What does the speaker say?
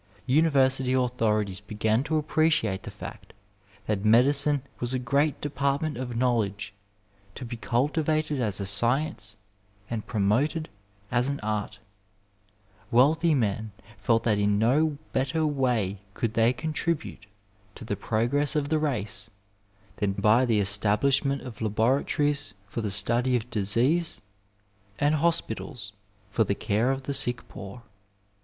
University authorities began to appreciate 236 Digitized by Google MEDICINE IN THE NINETEENTH CENTURY the fact that medicine was a great department of know ledge, to be cultivated as a science and promoted as an art. Wealthy men felt that in no better way could they contribute to the progress of the race than by the estab lishment of laboratories for the study of disease and hospi tals for the care of the sick poor.